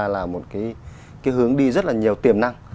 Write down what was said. là một hướng đi rất nhiều tiềm năng